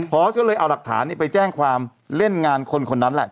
พอสก็เลยเอาหลักฐานไปแจ้งความเล่นงานคนคนนั้นแหละ